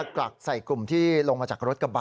กลักใส่กลุ่มที่ลงมาจากรถกระบะ